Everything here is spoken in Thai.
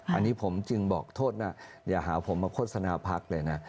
อันนี้ผมจึงบอกโทษว่าอย่าหาผมมาโฆษณาพักเลยนะ